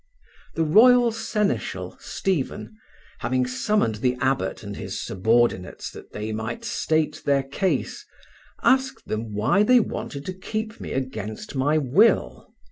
The royal seneschal, Stephen, having summoned the abbot and his subordinates that they might state their case, asked them why they wanted to keep me against my will.